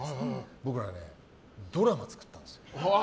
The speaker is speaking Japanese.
僕はドラマ作ったんですよ。